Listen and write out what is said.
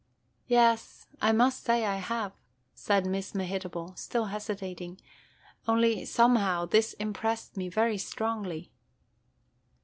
"Yes, I must say I have," said Miss Mehitable, still hesitating, – "only, somehow, this impressed me very strongly."